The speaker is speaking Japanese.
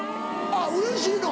あっうれしいの？